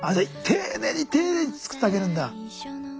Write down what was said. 丁寧に丁寧に作ってあげるんだ。